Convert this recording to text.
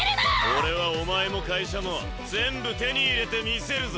俺はお前も会社も全部手に入れてみせるぞ。